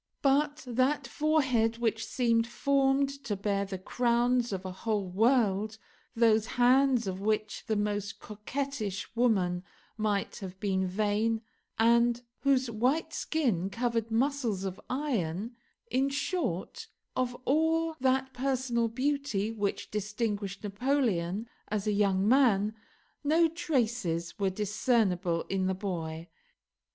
But that forehead which seemed formed to bear the crowns of a whole world; those hands, of which the most coquettish women might have been vain, and whose white skin covered muscles of iron; in short, of all that personal beauty which distinguished Napoleon as a young man, no traces were discernible in the boy.